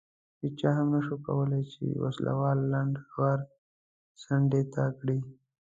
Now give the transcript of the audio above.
هېچا هم نه شوای کولای چې وسله وال لنډه غر څنډې ته کړي.